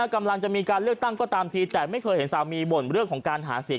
กำลังจะมีการเลือกตั้งก็ตามทีแต่ไม่เคยเห็นสามีบ่นเรื่องของการหาเสียง